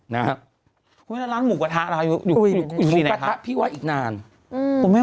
แล้วร้านหมูกระทะพี่ไวกินไหนครับ